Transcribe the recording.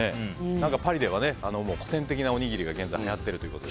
パリでは古典的なおにぎりがはやっているようで。